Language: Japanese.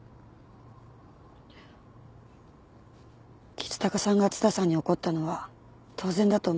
橘高さんが蔦さんに怒ったのは当然だと思います。